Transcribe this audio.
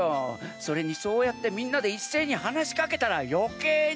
それにそうやってみんなでいっせいにはなしかけたらよけいに！